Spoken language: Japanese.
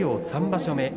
３場所目。